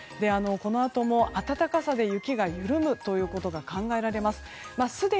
このあとも暖かさで雪が緩むことも考えられます。